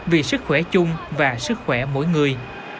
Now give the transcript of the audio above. vì sức khỏe chung và sức khỏe mỗi người